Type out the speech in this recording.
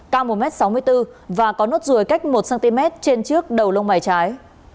cao một m sáu mươi bốn và có nốt ruồi cách một cm trên trước đầu lông mày trái